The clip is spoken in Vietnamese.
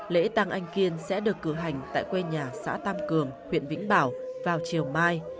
lễ tăng anh kiên sẽ được cử hành tại quê nhà xã tam cường huyện vĩnh bảo vào chiều mai